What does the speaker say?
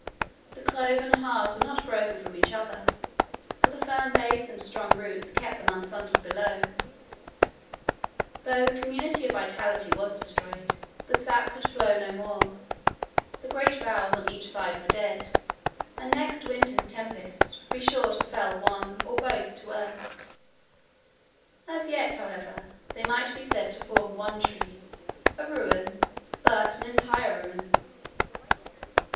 The cloven halves were not broken from each other, for the firm base and strong roots kept them unsundered below; though community of vitality was destroyed—the sap could flow no more: their great boughs on each side were dead, and next winter's tempests would be sure to fell one or both to earth: as yet, however, they might be said to form one tree—a ruin, but an entire ruin.